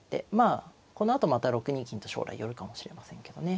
このあとまた６二金と将来寄るかもしれませんけどね。